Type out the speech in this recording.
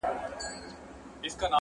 غزل-عبدالباري جهاني؛